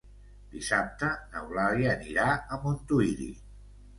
Dissabte n'Eulàlia anirà a Montuïri.